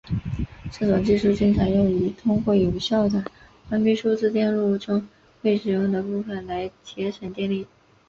这种技术经常用于通过有效地关闭数字电路中未使用的部分来节省电力。